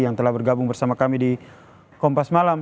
yang telah bergabung bersama kami di kompas malam